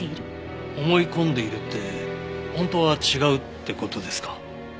思い込んでいるって本当は違うって事ですか？